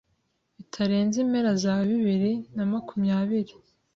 bitarenze impera za bibiri na makumyabiri